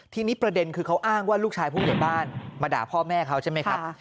ทีนี้ประเด็นคือเขาอ้างว่าลูกชายผู้ใหญ่บ้านมาด่าพ่อแม่เขาใช่ไหมครับ